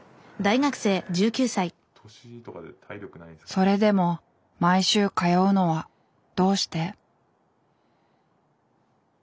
それでも毎週通うのはどうして？